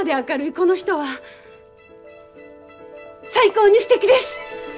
この人は最高にすてきです！